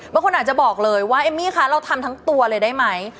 บางคนอาจจะบอกเลยว่าเอมมี่คะเราทำทั้งตัวเลยได้ไหม